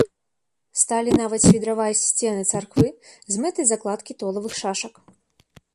Сталі нават свідраваць сцены царквы з мэтай закладкі толавых шашак.